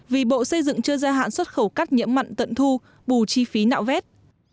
vì bộ xây dựng chưa gia hạn xuất khẩu cắt nhiễm mặn tận thu bù chi phí nạo vét